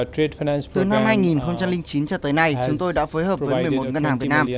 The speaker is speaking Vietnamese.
từ năm hai nghìn chín cho tới nay chúng tôi đã phối hợp với một mươi một ngân hàng việt nam